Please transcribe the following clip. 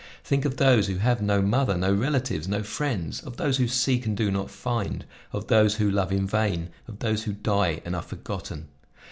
Think of those who have no mother, no relatives, no friends; of those who seek and do not find, of those who love in vain, of those who die and are forgotten.